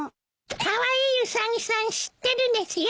カワイイウサギさん知ってるですよ。